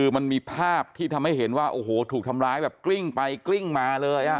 มันมีภาพที่ทำให้เห็นถูกทำร้ายกริ้งไปกริ้งมา